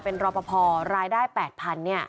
เป็นรอปภรายได้๘๐๐๐